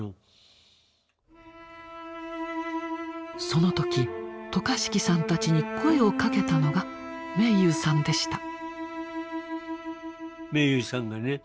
その時渡嘉敷さんたちに声をかけたのが明勇さんでした。